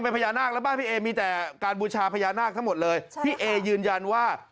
ไม่สามารถที่จะไปสัมผัสท่านได้